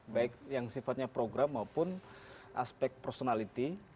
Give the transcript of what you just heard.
baik yang sifatnya program maupun aspek personality